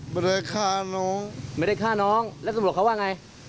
ไม่ได้ฆ่าน้องไม่ได้ฆ่าน้องแล้วตำรวจเขาว่าไง